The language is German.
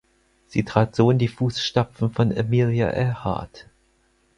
Sie trat so in die Fußstapfen von Amelia Earhart.